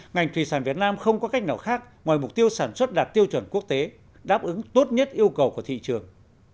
ngành thủy sản việt nam không có cách nào khác ngoài mục tiêu sản xuất đạt tiêu chuẩn quốc tế đáp ứng tốt nhất yêu cầu của thị trường